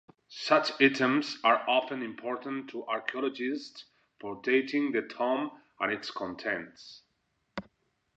Such items are often important to archaeologists for dating the tomb and its contents.